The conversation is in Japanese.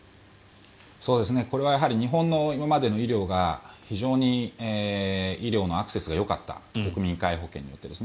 これはやはり日本の今までの医療が非常に医療のアクセスがよかった国民皆保険によって。